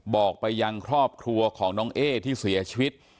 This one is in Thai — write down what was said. บอกไปยังครอบครัวของน้องเอ๊ที่เสียชีวิต